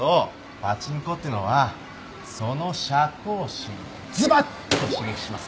パチンコってのはその射幸心をずばっと刺激しますから